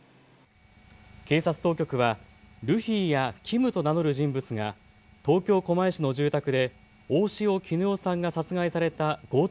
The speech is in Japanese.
警察当局はルフィやキムと名乗る人物が東京狛江市の住宅で大塩衣與さんが殺害された強盗